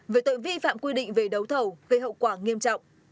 về tội vi phạm quy định về đấu thầu gây hậu quả nghiêm trọng